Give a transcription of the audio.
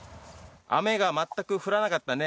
雨が全く降らなかったね